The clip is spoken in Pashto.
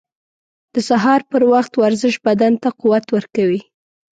• د سهار پر وخت ورزش بدن ته قوت ورکوي.